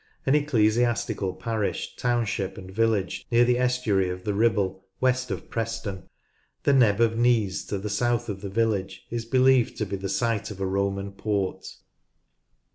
An ecclesiastical parish, township, and village near the estuary of the Ribble, west of Preston. The Neb of Neeze, to the south of the village, is believed to be the site of a Roman port.